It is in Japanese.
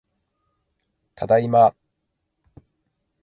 ただいま